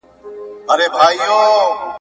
رنګ په رنګ به یې راوړله دلیلونه